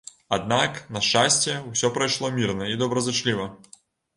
Аднак, на шчасце, усё прайшло мірна і добразычліва.